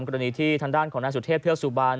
กรณีที่ทางด้านของนายสุเทพเทือกสุบัน